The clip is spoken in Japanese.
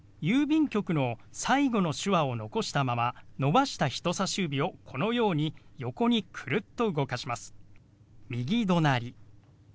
「郵便局」の最後の手話を残したまま伸ばした人さし指をこのように横にクルッと動かします。